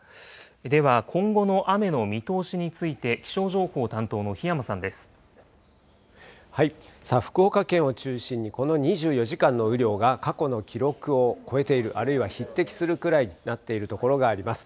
では、今後の雨の見通しについて、さあ、福岡県を中心に、この２４時間の雨量が過去の記録を超えている、あるいは匹敵するぐらいになっている所があります。